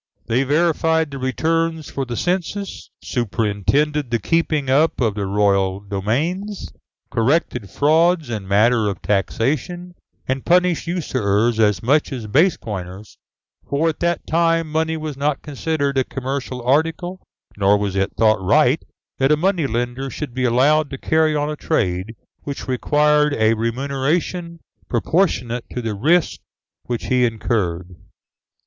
They verified the returns for the census; superintended the keeping up of the royal domains; corrected frauds in matters of taxation; and punished usurers as much as base coiners, for at that time money was not considered a commercial article, nor was it thought right that a money lender should be allowed to carry on a trade which required a remuneration proportionate to the risk which he incurred.